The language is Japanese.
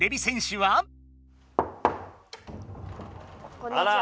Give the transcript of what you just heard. こんにちは。